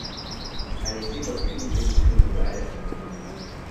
Alizikwa kiwiliwili tuu baada ya kumnyoga